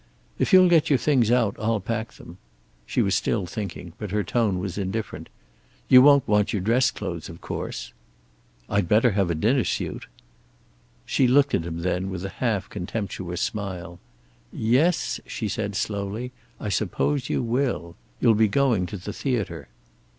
"If you'll get your things out I'll pack them." She was still thinking, but her tone was indifferent. "You won't want your dress clothes, of course." "I'd better have a dinner suit." She looked at him then, with a half contemptuous smile. "Yes," she said slowly. "I suppose you will. You'll be going to the theater."